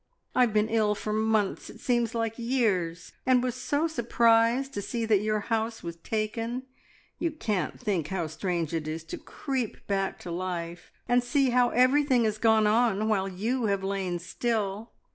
I've been ill for months, it seems like years, and was so surprised to see that your house was taken. You can't think how strange it is to creep back to life, and see how everything has gone on while you have lain still.